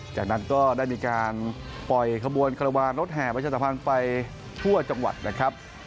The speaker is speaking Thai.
จากนั้นก็ได้มีการปล่อยขบวนคารวาลรถแห่ประชาสัมพันธ์ไปทั่วจังหวัดนะครับ